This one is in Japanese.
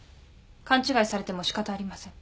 勘違いされても仕方ありません。